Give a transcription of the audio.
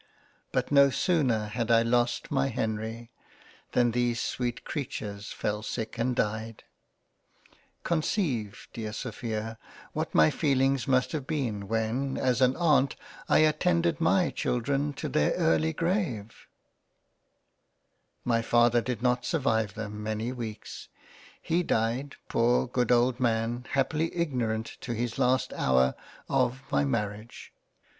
But no sooner had I lossed my Henry, than these sweet Creatures fell sick and died —. Conceive dear Sophia what my feel ings must have been when as an Aunt I attended my Children to their early Grave —. My Father did not survive them many weeks — He died, poor Good old man, happily ignor ant to his last hour of my Marriage.'